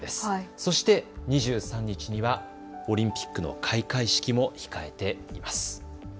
そして、２３日にはオリンピックの開会式も控えています。